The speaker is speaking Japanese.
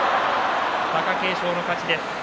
貴景勝の勝ちです。